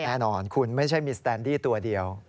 แน่นอนคุณไม่ใช่มีสแตนดี้ตัวเดียว